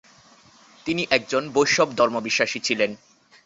তিনি একজন বৈষ্ণব ধর্ম বিশ্বাসী ছিলেন।